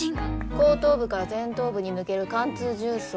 後頭部から前頭部に抜ける貫通銃創。